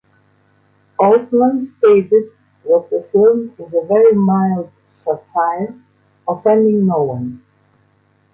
Altman stated that the film "is a very mild satire," offending no one.